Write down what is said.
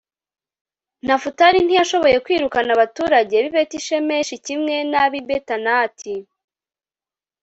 nefutali ntiyashoboye kwirukana abaturage b'i betishemeshi kimwe n'ab'i betanati